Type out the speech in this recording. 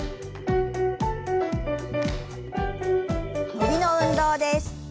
伸びの運動です。